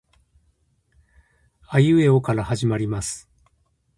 あいうえおから始まります